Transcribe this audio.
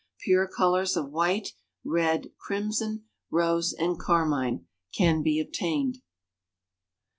Pure colors of white, red, crimson, rose and carmine, can be obtained.